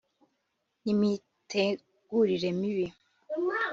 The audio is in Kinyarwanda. n’imitegurire mibi